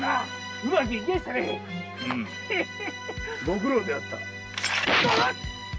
ご苦労であった。